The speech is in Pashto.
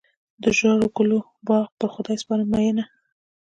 د ژړو ګلو باغ پر خدای سپارم مینه.